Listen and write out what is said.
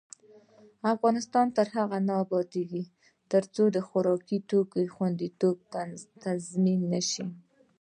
افغانستان تر هغو نه ابادیږي، ترڅو د خوراکي توکو خوندیتوب تضمین نشي.